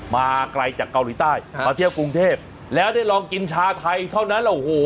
มาไกลจากเกาหลีใต้มาเที่ยวกรุงเทพแล้วได้ลองกินชาไทยเท่านั้นโอ้โห